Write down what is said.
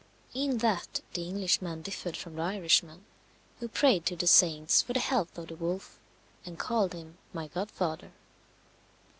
In that the Englishman differed from the Irishman, who prayed to the saints for the health of the wolf, and called him "my godfather."